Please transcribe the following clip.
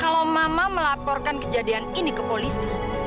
kalau mama melaporkan kejadian ini ke polisi